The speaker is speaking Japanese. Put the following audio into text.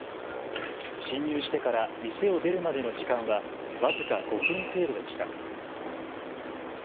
侵入してから店を出るまでの時間は僅か５分程度でした。